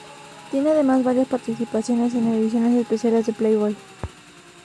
Tiene además varias participaciones en ediciones especiales de Playboy.